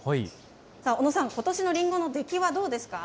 小野さん、ことしのリンゴの出来はどうですか？